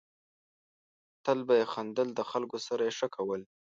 تل به یې خندل ، د خلکو سره یې ښه کول.